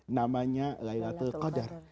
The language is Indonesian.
namanya laylatul qadar